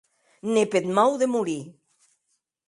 Ne peth mau de morir!